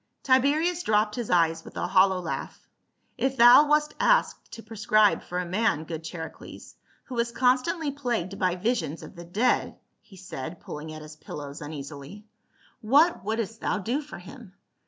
Tiberius dropped his eyes with a hollow laugh. " If thou wast asked to prescribe for a man, good Char icles, who was constantly plagued by visions of the dead," he said, pulling at his pillows uneasil\ ." what THE PHYSICIAN AND THE EMPEROR. 103 wouldst thou do for him